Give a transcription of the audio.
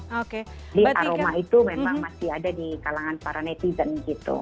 jadi aroma itu memang masih ada di kalangan para netizen gitu